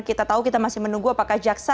kita tahu kita masih menunggu apakah jaksa